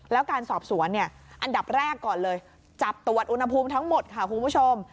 แล้วการสอบสวนเนี่ยอันดับแรกก่อนเลยจับตรวจอุณหภูมิทั้งหมดค่ะคุณผู้ชม